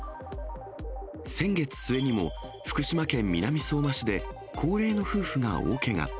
先月末にも、福島県南相馬市で、高齢の夫婦が大けが。